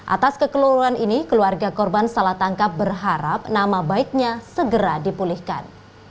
atas kekeluruan ini keluarga korban salah tangkap berharap nama baiknya segera dipulihkan